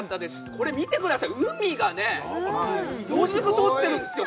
これ見てください海がねもずくとってるんですよ